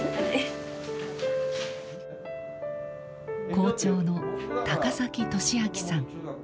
校長の高利明さん。